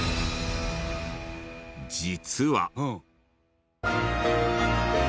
実は。